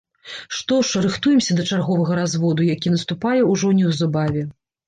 Што ж, рыхтуемся да чарговага разводу, які наступае ўжо неўзабаве.